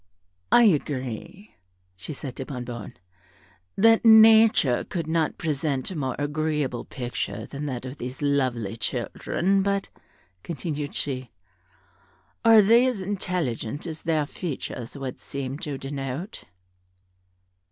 "I agree," said she to Bonnebonne, "that nature could not present a more agreeable picture than that of these lovely children; but," continued she, "are they as intelligent as their features would seem to denote?"